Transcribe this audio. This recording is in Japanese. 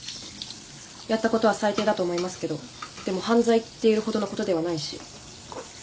やったことは最低だと思いますけどでも犯罪って言えるほどのことではないし。